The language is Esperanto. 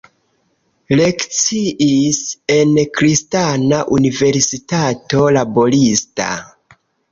Lekciis en Kristana Universitato Laborista.